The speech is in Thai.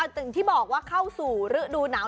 อย่างที่บอกว่าเข้าสู่ฤดูหนาว